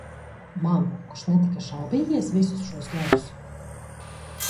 Man, kurš netika šaubījies visus šos gadus?